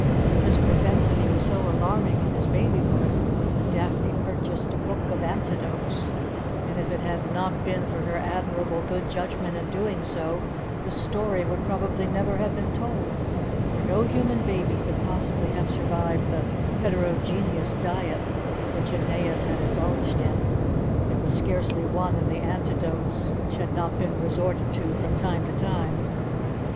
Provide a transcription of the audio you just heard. This propensity was so alarming in his babyhood, that Daphne purchased a book of antidotes; and if it had not been for her admirable good judgment in doing so, this story would probably never have been told; for no human baby could possibly have survived the heterogeneous diet which Aeneas had indulged in. There was scarcely one of the antidotes which had not been resorted to from time to time.